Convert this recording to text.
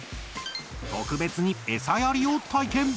特別にエサやりを体験！